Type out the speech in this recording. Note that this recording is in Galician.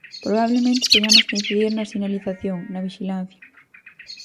Probablemente teñamos que incidir na sinalización, na vixilancia.